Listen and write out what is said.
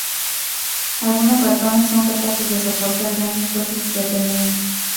Algunos ratones son capaces de soportar grandes dosis de veneno.